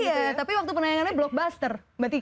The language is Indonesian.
iya tapi waktu penayangannya blockbuster mbak titi